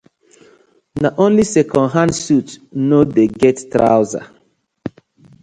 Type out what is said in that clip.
Na only second hand suit no dey get trouser.